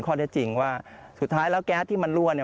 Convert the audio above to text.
ได้จริงว่าสุดท้ายแล้วแก๊สที่มันรั่วเนี่ย